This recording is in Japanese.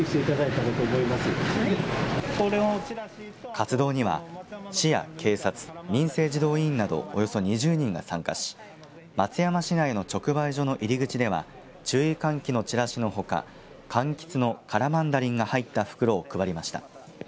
活動には、市や警察民生児童委員などおよそ２０人が参加し松山市内の直売所の入り口では注意喚起のチラシのほかかんきつのカラマンダリンが入った袋を配りました。